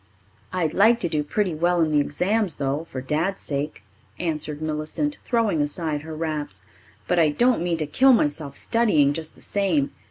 "I'd like to do pretty well in the exams, though, for Dad's sake," answered Millicent, throwing aside her wraps. "But I don't mean to kill myself studying, just the same.